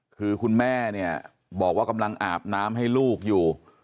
คือคุณแม่เนี่ยบอกว่ากำลังอาบน้ำให้ลูกอยู่